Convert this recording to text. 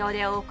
お！